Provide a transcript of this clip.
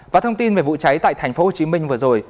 và thông tin về vụ cháy tại tp hcm vừa rồi